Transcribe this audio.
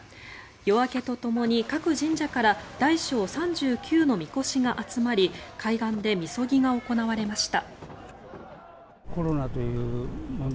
夜明けとともに各神社から大小３９のみこしが集まり海岸でみそぎが行われました。